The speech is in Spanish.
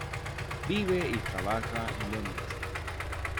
Vive y trabaja en Londres.